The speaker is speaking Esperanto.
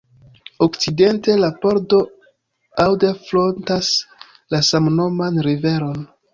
Okcidente, la pordo Aude frontas la samnoman riveron.